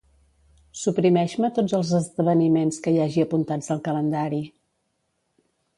Suprimeix-me tots els esdeveniments que hi hagi apuntats al calendari.